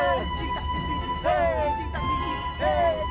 aku sih gak sempet dilihat dia mendarat